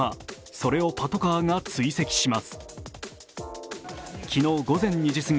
それをパトカーが追跡します。